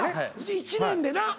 １年でな。